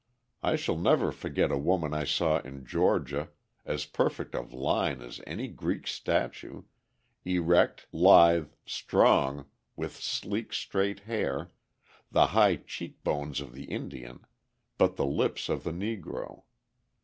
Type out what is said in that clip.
I shall never forget a woman I saw in Georgia as perfect of line as any Greek statue erect, lithe, strong, with sleek straight hair, the high cheekbones of the Indian, but the lips of the Negro.